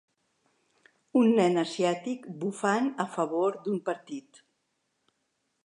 Un nen asiàtic bufant a favor d'un partit.